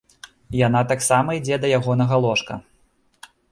Яна таксама ідзе да ягонага ложка.